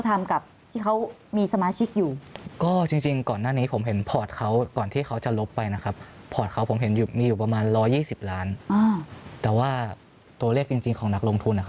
แต่ว่าตัวเลขจริงของนักลงทุน